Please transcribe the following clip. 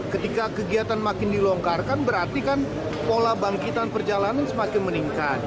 ketika kegiatan makin dilonggarkan berarti kan pola bangkitan perjalanan semakin meningkat